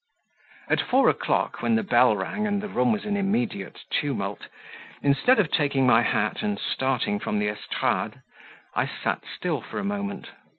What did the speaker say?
At four o'clock, when the bell rang and the room was in immediate tumult, instead of taking my hat and starting from the estrade, I sat still a moment.